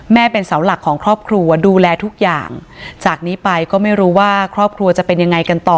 เป็นเสาหลักของครอบครัวดูแลทุกอย่างจากนี้ไปก็ไม่รู้ว่าครอบครัวจะเป็นยังไงกันต่อ